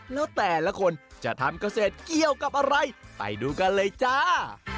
แล้วแต่ละคนจะทำเกษตรเกี่ยวกับอะไรไปดูกันเลยจ้า